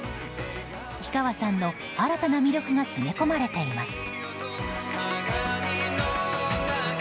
氷川さんの新たな魅力が詰め込まれています。